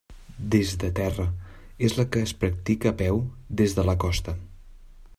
Des de terra: és la que es practica a peu des de la costa.